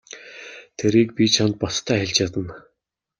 Тэрийг би чамд баттай хэлж чадна.